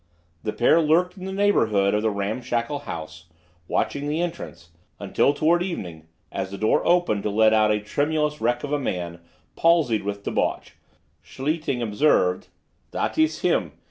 The pair lurked in the neighborhood of the ramshackle house watching the entrance, until toward evening, as the door opened to let out a tremulous wreck of a man, palsied with debauch, Schlichting observed: "That iss him.